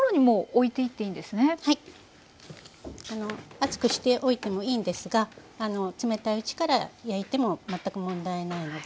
熱くしておいてもいいんですが冷たいうちから焼いても全く問題ないので。